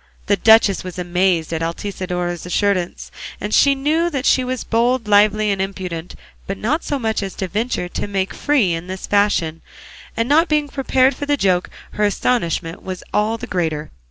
'" The duchess was amazed at Altisidora's assurance; she knew that she was bold, lively, and impudent, but not so much so as to venture to make free in this fashion; and not being prepared for the joke, her astonishment was all the greater.